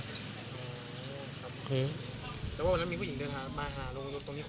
แต่ว่าวันนั้นมีผู้หญิงเดินมาหาลุงตรงนี้คนเดียว